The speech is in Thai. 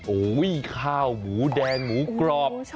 โอ้โหข้าวหมูแดงหมูกรอบ